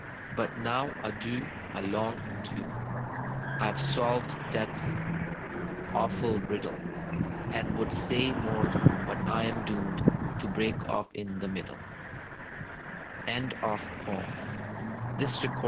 "But now, adieu — a long adieu I IVe solved death's awful riddle, A)nd would say more, but I am doomed To break off in the middle I " Thomas Hood.